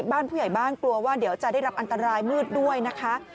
บ้านผู้ใหญ่บ้านกลัวว่าเดี๋ยวจะได้รับอันตรายมืดด้วยนะคะ